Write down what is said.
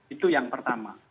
itu yang pertama